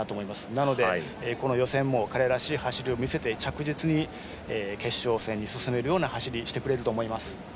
なので、この予選も彼らしい走りを見せて着実に決勝戦に進めるような走りをしてくれると思います。